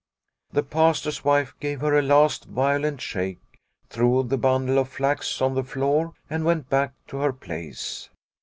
The Pastor's wife gave her a last violent shake, threw the bundle of flax on the floor, and went back to her place.